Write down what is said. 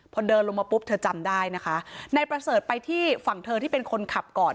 พอเดินลงมาปุ๊บเธอจำได้นะคะนายประเสริฐไปที่ฝั่งเธอที่เป็นคนขับก่อน